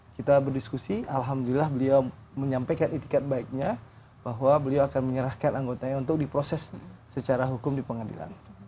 kita berdiskusi alhamdulillah beliau menyampaikan itikat baiknya bahwa beliau akan menyerahkan anggotanya untuk diproses secara hukum di pengadilan